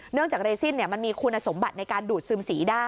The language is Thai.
จากเรซินมันมีคุณสมบัติในการดูดซึมสีได้